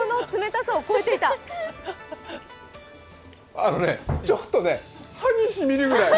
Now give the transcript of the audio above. あのね、ちょっとね歯に染みるぐらい。